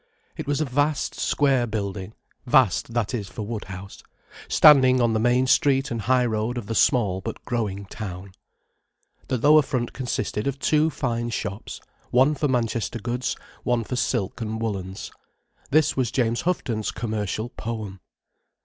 It was a vast square building—vast, that is, for Woodhouse—standing on the main street and high road of the small but growing town. The lower front consisted of two fine shops, one for Manchester goods, one for silk and woollens. This was James Houghton's commercial poem.